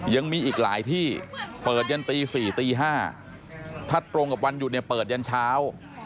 ยังมีอีกหลายที่เปิดยันตี๔ตี๕ถ้าตรงกับวันหยุดเนี่ยเปิดยันเช้า